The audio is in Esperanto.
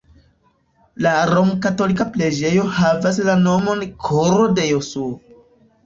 La romkatolika preĝejo havas la nomon Koro de Jesuo.